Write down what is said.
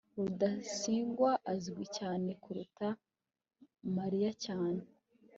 rudasingwa azwi cyane kuruta mariya cyane